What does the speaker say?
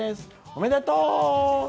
おめでとう。